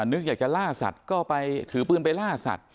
นึกอยากจะล่าสัตว์ก็ไปถือปืนไปล่าสัตว